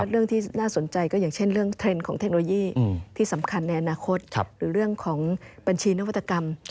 เรื่องที่น่าสนใจก็อย่างเช่นเรื่องเทรนด์ของเทคโนโลยีที่สำคัญในอนาคตหรือเรื่องของบัญชีนวัตกรรม